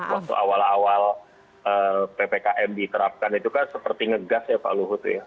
waktu awal awal ppkm diterapkan itu kan seperti ngegas ya pak luhut ya